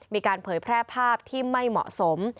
เผยแพร่ภาพที่ไม่เหมาะสม